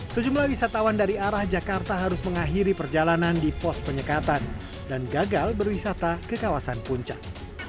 sejumlah wisatawan dari arah jakarta harus mengakhiri perjalanan di pos penyekatan dan gagal berwisata ke kawasan puncak